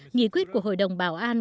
nghị quyết của hội đồng bảo an